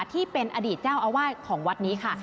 ที่เป็นอดีตเจ้าอาวาสของวัดนี้ค่ะ